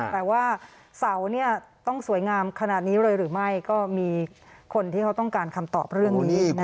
แต่ว่าเสาเนี่ยต้องสวยงามขนาดนี้เลยหรือไม่ก็มีคนที่เขาต้องการคำตอบเรื่องนี้